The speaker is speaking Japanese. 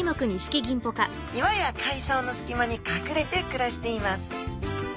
岩や海藻の隙間に隠れて暮らしています。